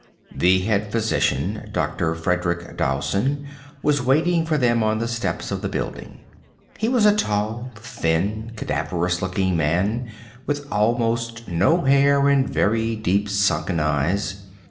The head physician, Dr. Frederic Dowson, was waiting for them on the steps of the building. He was a tall, thin, cadaverous looking man with almost no hair and very deep sunken eyes.